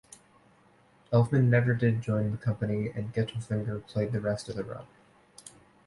Elfman never did join the company and Gettelfinger played the rest of the run.